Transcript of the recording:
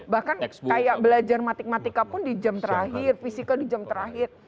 bahkan kayak belajar matematika pun di jam terakhir fisika di jam terakhir